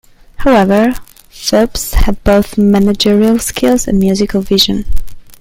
However, Filpse had both managerial skills and musical vision.